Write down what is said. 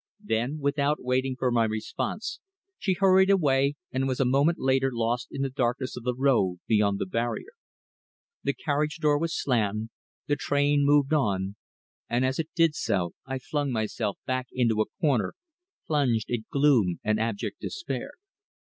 Then, without waiting for my response, she hurried away and was a moment later lost in the darkness of the road beyond the barrier. The carriage door was slammed, the train moved on, and as it did so I flung myself back into a corner, plunged in gloom and abject despair.